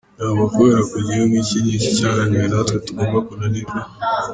Ntabwo kubera ko igihugu iki n’iki cyananiwe natwe tugomba kunanirwa.